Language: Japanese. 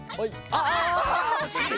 あおしい！